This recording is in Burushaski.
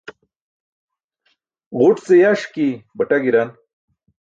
Ġuṭ ce yaṣki baṭa gi̇ran.